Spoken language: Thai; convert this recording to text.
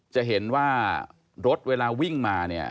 จะเห็นว่ารถเวลาวิ่งมา